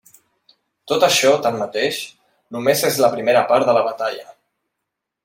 Tot això, tanmateix, només és la primera part de la batalla.